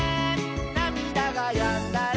「なみだがやんだら」